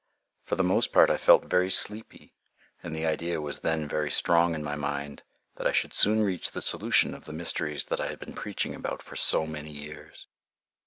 For the most part I felt very sleepy, and the idea was then very strong in my mind that I should soon reach the solution of the mysteries that I had been preaching about for so many years.